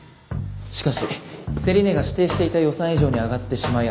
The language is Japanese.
しかし競り値が指定していた予算以上に上がってしまいあなたは困った。